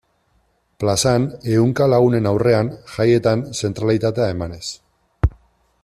Plazan, ehunka lagunen aurrean, jaietan zentralitatea emanez.